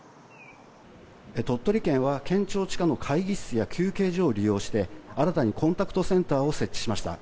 鳥取県は、県庁地下の会議室や休憩所を利用して新たに、コンタクトセンターを設置しました。